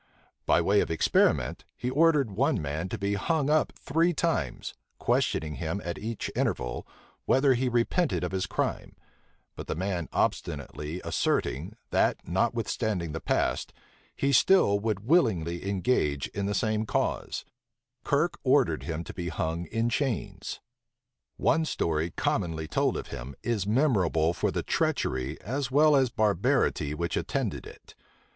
By way of experiment, he ordered one man to be hung up three times, questioning him at each interval, whether he repented of his crime: but the man obstinately asserting, that notwithstanding the past, he still would willingly engage in the same cause, Kirke ordered him to be hung in chains. One story, commonly told of him, is memorable for the treachery, as well as barbarity, which attended it.